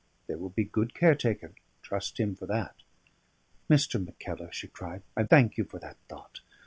There will be good care taken; trust him for that." "Mr. Mackellar," she cried, "I thank you for that thought.